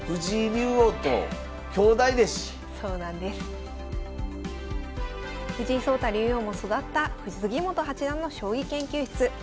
竜王も育った杉本八段の将棋研究室。